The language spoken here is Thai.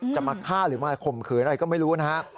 จะมาฆ่าหรือมาข่มขืนอะไรก็ไม่รู้นะฮะ